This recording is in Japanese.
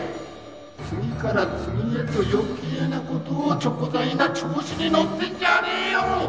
次から次へと余計なことをちょこざいな調子に乗ってんじゃねーよ！